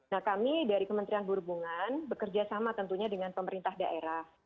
nah kami dari kementerian perhubungan bekerja sama tentunya dengan pemerintah daerah